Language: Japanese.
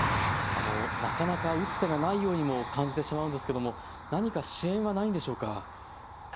なかなか打つ手がないようにも感じてしまうのですけれども何か支援はないのでしょうか？